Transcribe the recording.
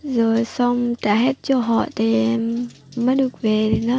rồi xong trả hết cho họ thì mới được về